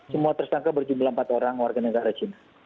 semua tersangka berjumlah empat orang warga negara cina